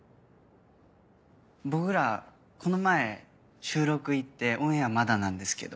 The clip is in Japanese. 僕らこの前収録行ってオンエアまだなんですけど。